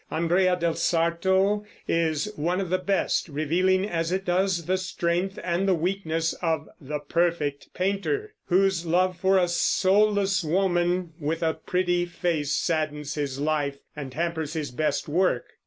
"Andrea del Sarto" is one of the best, revealing as it does the strength and the weakness of "the perfect painter," whose love for a soulless woman with a pretty face saddens his life and hampers his best work.